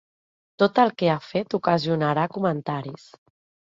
Tot el que ha fet ocasionarà comentaris.